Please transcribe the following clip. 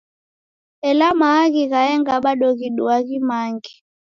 Ela maaghi ghaenga bado ghiduaa ghimange.